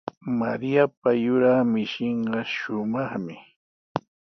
Mariapa yuraq mishinqa shumaqmi.